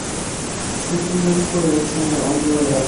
শুকনো মুখ করে এক সময়ে অন্দরে এল।